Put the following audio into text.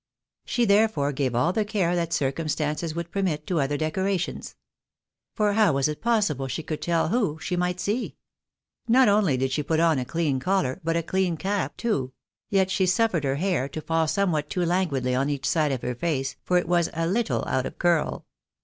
She therefore gave all the care that circumstanj^ would permit to other decorations. For how was it possible she could tell v}ho she might see ? Not only did she put on a clean collar, but a clean cap too ; yet she suffered her hair to fall some what too languidly on each side of her face, for it was a little out of curl.